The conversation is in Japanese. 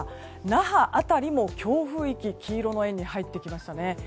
那覇辺りも強風域黄色の円に入ってきましたね。